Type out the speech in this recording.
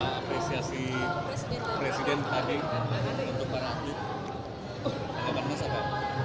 apakah apresiasi presiden pahing untuk para atlet